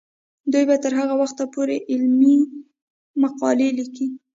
دوی به تر هغه وخته پورې علمي مقالې لیکي.